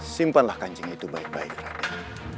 simpanlah kancing itu baik baik saja